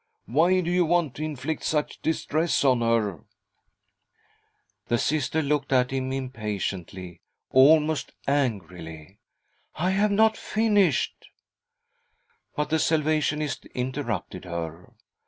Why do you want to inflict such distress on her ?" The Sister looked at him impatiently, almost angrily. " I have not finished " But the Salvationist interrupted her.